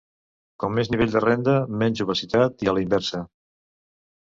Com més nivell de renda, menys obesitat i a la inversa.